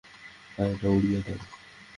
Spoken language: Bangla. গাড়িটা উড়িয়ে দাও।